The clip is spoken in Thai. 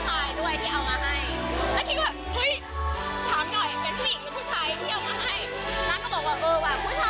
นางก็บอกว่าเออว่ะผู้ชาย